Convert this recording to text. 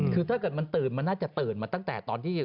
คือถ้าเกิดมันตื่นมันน่าจะตื่นมาตั้งแต่ตอนที่